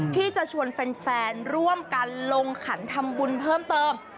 ที่จะชวนแฟนร่วมกันลงขันทำบุญเพิ่มเติม